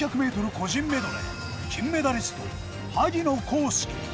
個人メドレー金メダリスト、萩野公介。